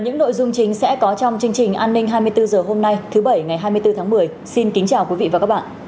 những nội dung chính sẽ có trong chương trình an ninh hai mươi bốn h hôm nay thứ bảy ngày hai mươi bốn tháng một mươi xin kính chào quý vị và các bạn